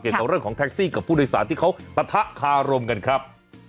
กับเรื่องของแท็กซี่กับผู้โดยสารที่เขาปะทะคารมกันครับ